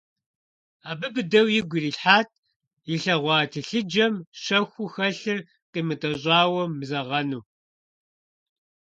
Абы быдэу игу ирилъхьат илъэгъуа телъыджэм щэхуу хэлъыр къимытӀэщӀауэ мызэгъэну.